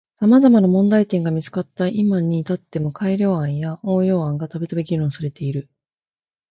様々な問題点が見つかった今に至っても改良案や応用案がたびたび議論されている。